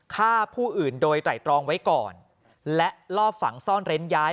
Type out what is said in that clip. ฆ่าผู้อื่นโดยไตรตรองไว้ก่อนและลอบฝังซ่อนเร้นย้าย